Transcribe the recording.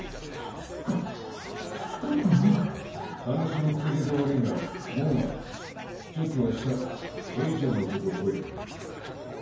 スカって何だ？話のついでで悪いが物間ちょっと明日エリちゃんのとこ来い。